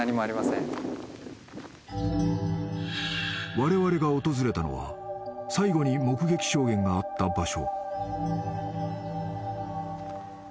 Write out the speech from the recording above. ［われわれが訪れたのは最後に目撃証言があった場所］